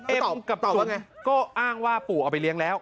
เอ็มกับทุบก็อ้างว่าปู่เอาไปเลี้ยงแล้ว